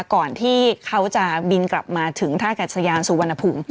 ก่อนที่เขาจะบินกลับมาถึงท่ากัดสยานสุวรรณภูมิ